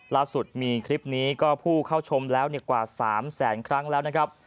ล่าสุดมีคลิปนี้ก็ผู้เข้าชมแล้วกว่า๓แสนครั้งแล้วนะครับ